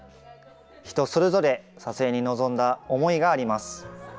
人それぞれ撮影に臨んだ思いがあります。